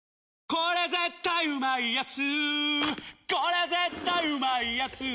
これ絶対うまいやつ」